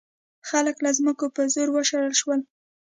خلک له ځمکو په زوره وشړل شول.